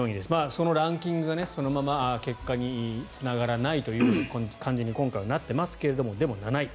そのランキングがそのまま結果につながらないという感じに今回はなっていますがでも、７位。